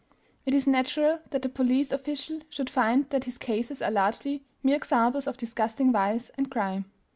It is natural that the police official should find that his cases are largely mere examples of disgusting vice and crime.